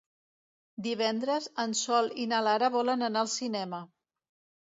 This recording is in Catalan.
Divendres en Sol i na Lara volen anar al cinema.